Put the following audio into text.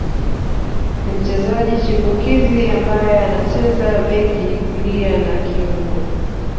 Ni mchezaji chipukizi ambaye anacheza beki kulia na kiungo